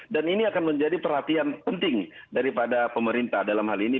dan ini akan menjadi perhatian penting daripada pemerintah dalam hal ini